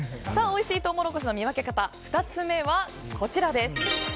おいしいトウモロコシの見分け方、２つ目はこちらです。